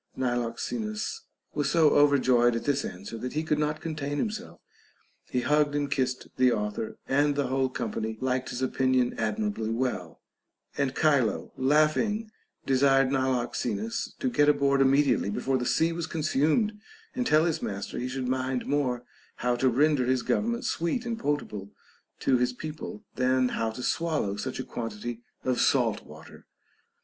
Niloxenus was so overjoyed at this answer, that he could not contain himself. He hugged and kissed the author, and the whole company liked his opinion admirably well ; and Chilo laughing desired Niloxenus to get aboard immediately before the sea was consumed, and tell his master he should mind more how to render his government sweet and potable to his people, than how to swallow such a quantity of salt water.